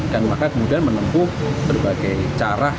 dan maka kemudian menempuh berbagai cara